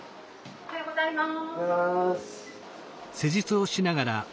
おはようございます。